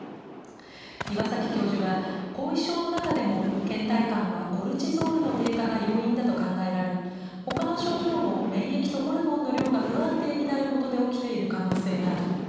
岩崎教授は、後遺症の中でもけん怠感はコルチゾールの低下が要因だと考えられ、ほかの症状も免疫とホルモンの量が不安定になることで起きている可能性がある。